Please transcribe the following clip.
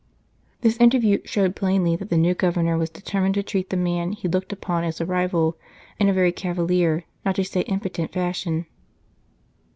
This interview showed plainly that the new Governor was determined to treat the man he looked upon as a rival in a very cavalier, not to say impudent, fashion.